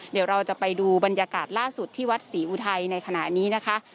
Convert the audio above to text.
เดี๋ยวเราจะไปดูบรรยากาศล่าสุดที่วัดศรีอุทัยในขณะนี้นะคะ